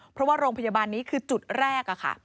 เพราะว่าโรงพยาบาลนี้คือจุดแรกค่ะ